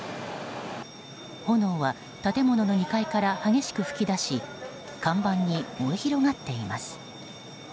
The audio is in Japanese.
炎は建物の２階から激しく噴き出し看板に燃え広がっています。